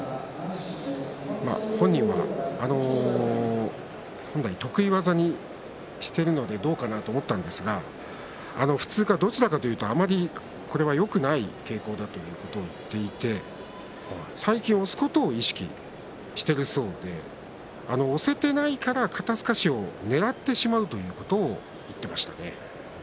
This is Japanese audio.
本人は得意技にしているのでどうかなと思ったんですがどちらかというと、これはあまりよくない傾向だと言っていて最近、押すことを意識しているそうで押せていないから肩すかしをねらってしまうということを言っていましたね。